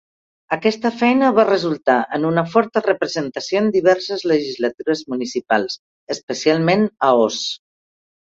Aquesta feina va resultar en una forta representació en diverses legislatures municipals, especialment a Oss.